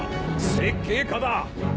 設計家だ！